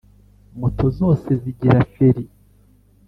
Moto zose zigira feri